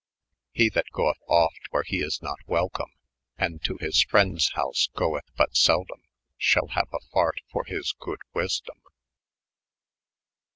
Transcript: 208 ' He that gooth oft where he is not welcom, And to his fryndes hons gooth but seldom. Shall haue a fart for his good wesdom.'